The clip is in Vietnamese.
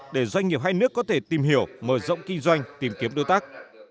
để hai nước có thể tìm hiểu mở rộng kinh doanh tìm kiếm đối tác